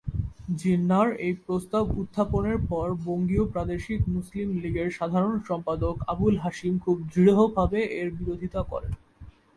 জিন্নাহর এই প্রস্তাব উত্থাপনের পর বঙ্গীয় প্রাদেশিক মুসলিম লীগের সাধারণ সম্পাদক আবুল হাশিম খুব দৃঢ়ভাবে এর বিরোধিতা করেন।